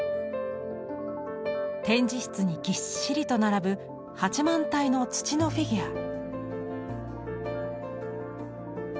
展示室にぎっしりと並ぶ８万体の土のフィギュア。